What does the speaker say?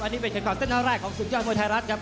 อันนี้เป็นแข่งข่อนเส้นทั้งแรกของสุขยอดมวลไทยรัฐครับ